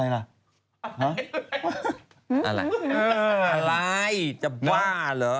อะไรจะบ้าหรอ